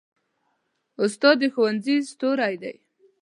استاد د ښوونځي ستوری دی.